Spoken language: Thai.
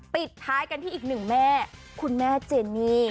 ปิดท้ายกันที่อีกหนึ่งแม่คุณแม่เจนี่